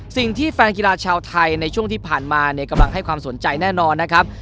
สิ่งที่แฟนกีฬาชาวไทยในช่วงที่ผ่านมาเนี่ยกำลังให้ความสนใจแน่นอนนะครับ